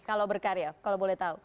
kalau berkarya kalau boleh tahu